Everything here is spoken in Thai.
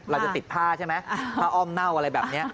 เราจะติดผ้าใช่ไหมผ้าอ้อมเน่าอะไรแบบนี้